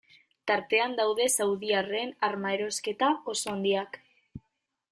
Tartean daude saudiarren arma erosketa oso handiak.